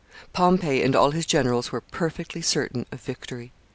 ] Pompey and all his generals were perfectly certain of victory.